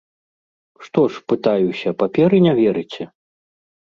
Што ж, пытаюся, паперы не верыце?